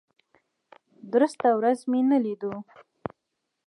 درسته ورځ مې نه لیدو.